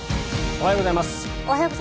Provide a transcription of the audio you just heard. おはようございます。